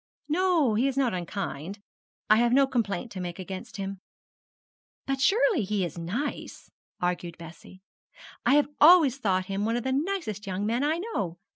'No, he is not unkind. I have no complaint to make against him.' 'But surely he is nice,' argued Bessie; 'I have always thought him one of the nicest young men I know.